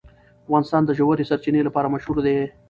افغانستان د ژورې سرچینې لپاره مشهور دی.